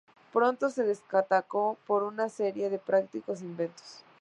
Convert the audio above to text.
Pronto se destacó por una serie de prácticos inventos.